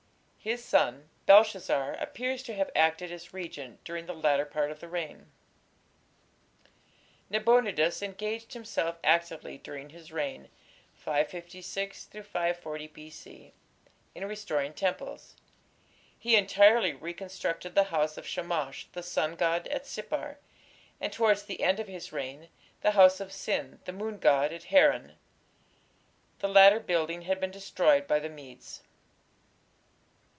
His son Belshazzar appears to have acted as regent during the latter part of the reign. Nabonidus engaged himself actively during his reign (556 540 B.C.) in restoring temples. He entirely reconstructed the house of Shamash, the sun god, at Sippar, and, towards the end of his reign, the house of Sin, the moon god, at Haran. The latter building had been destroyed by the Medes.